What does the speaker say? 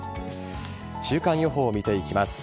週間予報を見ていきます。